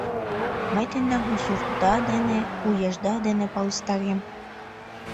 Мый тендам у суртда дене, у ешда дене палыстарем.